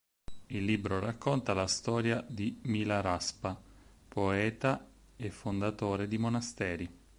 Il libro racconta la storia di Mi-la-ras-pa, poeta e fondatore di monasteri.